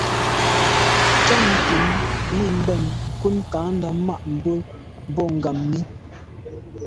Ntsham nkin mi mbèn nkut kandà ma’ bwe boa ngàm mi.